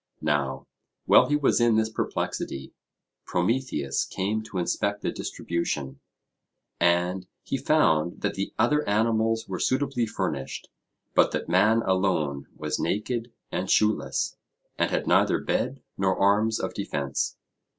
Now while he was in this perplexity, Prometheus came to inspect the distribution, and he found that the other animals were suitably furnished, but that man alone was naked and shoeless, and had neither bed nor arms of defence.